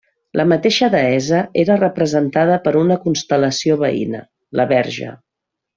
La mateixa deessa era representada per una constel·lació veïna: la Verge.